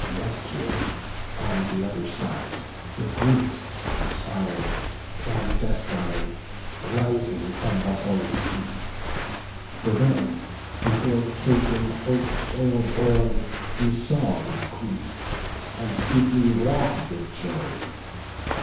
Neptune, on th' other side, the Greeks inspir'd, Clandestine rising from the hoary sea; For them before the Trojan host o'erborne He saw with grief, and deeply wroth with Jove.